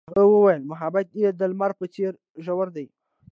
هغې وویل محبت یې د لمر په څېر ژور دی.